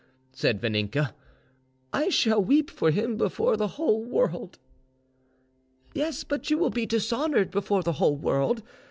said Vaninka. "I shall weep for him before the whole world." "Yes, but you will be dishonoured before the whole world!